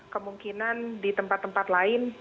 kemungkinan di tempat tempat lain